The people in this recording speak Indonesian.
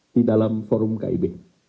di dalam forum kib